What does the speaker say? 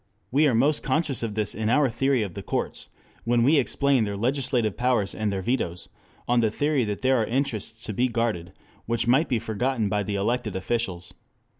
We are most conscious of this in our theory of the courts, when we explain their legislative powers and their vetoes on the theory that there are interests to be guarded which might be forgotten by the elected officials.